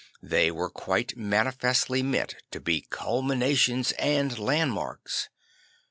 They were quite manifestly meant to be culmin ations and landmarks.